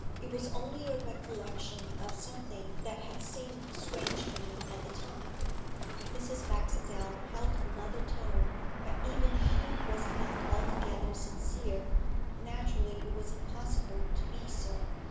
'It was only a recollection of something that had seemed strange to me at the time.' Mrs. Baxendale held another tone, but even she was not altogether sincere naturally it was impossible to be so.